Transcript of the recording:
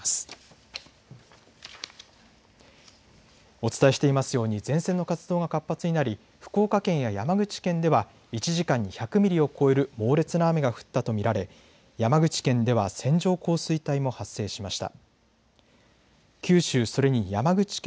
お伝えしていますように前線の活動が活発になり福岡県や山口県では１時間に２００ミリを超える猛烈な雨が降ったと見られ山口県では線状降水帯も発生しました。